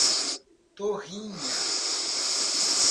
Torrinha